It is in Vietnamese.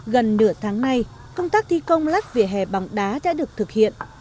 gần nửa tháng nay công tác thi công lắp vỉa hè bằng đá đã được thực hiện